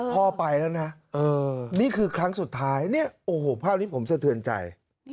พ่อไปแล้วนะนี่คือครั้งสุดท้ายเนี่ยโอ้โหภาพนี้ผมสะเทือนใจ